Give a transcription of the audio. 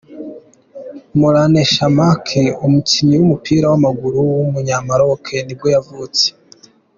Marouane Chamakh, umukinnyi w’umupira w’amaguru w’umunyamaroc nibwo yavutse.